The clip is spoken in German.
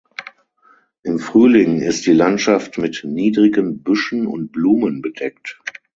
Im Frühling ist die Landschaft mit niedrigen Büschen und Blumen bedeckt.